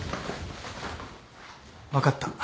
分かった。